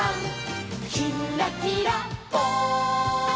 「きんらきらぽん」